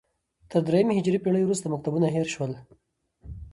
تر درېیمې هجري پېړۍ وروسته مکتبونه هېر شول